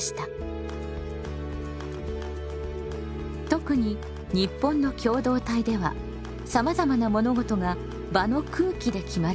特に日本の共同体ではさまざまな物事が場の空気で決まります。